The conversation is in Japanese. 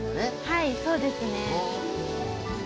はいそうですね。